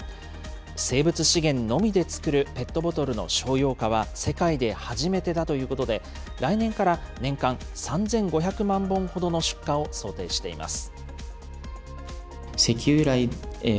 生物資源のみで作るペットボトルの商用化は世界で初めてだということで、来年から年間３５００万本ほどの出荷を想定しています。